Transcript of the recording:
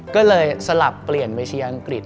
ก็เลยสลับเปลี่ยนไปเชียร์อังกฤษ